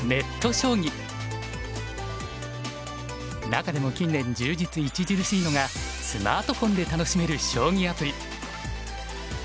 中でも近年充実著しいのがスマートフォンで楽しめる将棋アプリ。